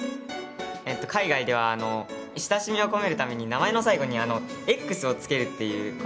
海外では親しみを込めるために名前の最後に「Ｘ」をつけるっていうことを習ったんですよ。